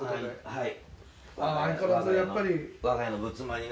「はい。